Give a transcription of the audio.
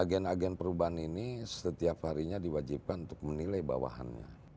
agen agen perubahan ini setiap harinya diwajibkan untuk menilai bawahannya